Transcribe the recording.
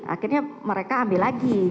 akhirnya mereka ambil lagi